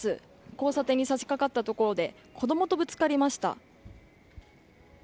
交差点に差し掛かったところで子供とぶつかりました。